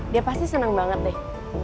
dia pasti senang banget deh